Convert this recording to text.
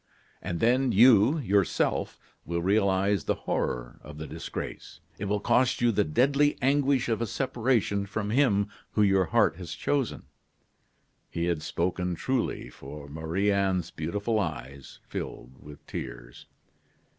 "And then you, yourself, will realize the horror of the disgrace. It will cost you the deadly anguish of a separation from him whom your heart has chosen." He had spoken truly, for Marie Anne's beautiful eyes filled with tears.